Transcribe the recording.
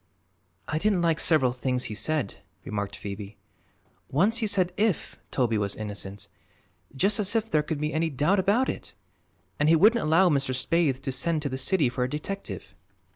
"I didn't like several things he said," remarked Phoebe. "Once he said 'if' Toby was innocent just as if there could be any doubt about it! and he wouldn't allow Mr. Spaythe to send to the city for a detective."